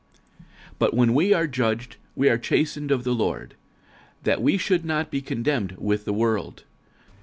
46:011:032 But when we are judged, we are chastened of the Lord, that we should not be condemned with the world.